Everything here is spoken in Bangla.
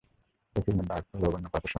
এই ফিল্মের ডায়লগ অন্য কাউকে শোনা।